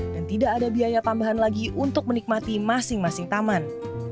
dan tidak ada biaya tambahan lagi untuk menikmati masing masing taman